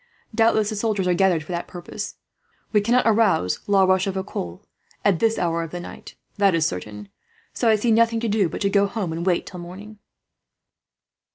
Doubtless the soldiers are gathered for that purpose. We cannot arouse La Rochefoucauld, at this hour of the night, that is certain; so I see nothing to do but to go home, and wait till morning."